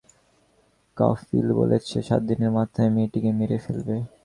কফিল বলেছে, সাতদিনের মাথায় মেয়েটিকে মেরে ফেলবে।